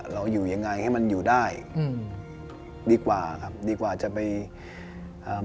เราอยู่ยังไงให้มันอยู่ได้อืมดีกว่าครับดีกว่าจะไปอ่า